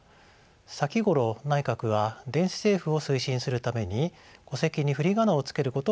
先ごろ内閣は電子政府を推進するために戸籍に振り仮名を付けることを決めました。